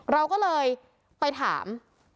เราก็เลยไปถาม